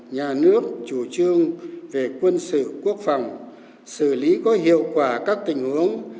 nhà nước chủ trương về quân sự quốc phòng xử lý có hiệu quả các tình huống